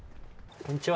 こんにちは。